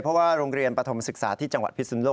เพราะว่าโรงเรียนปฐมศึกษาที่จังหวัดพิสุนโลก